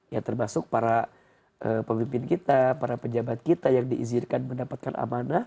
ya termasuk para pemimpin kita para pejabat kita yang diizinkan mendapatkan amanah